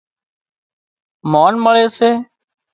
مانَ مۯي سي